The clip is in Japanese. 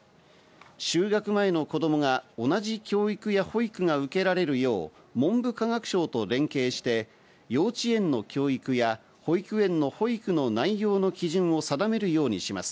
就学前の子供が同じ教育や保育が受けられるよう文部科学省と連携して幼稚園の教育や保育園の保育の内容の基準を定めるようにします。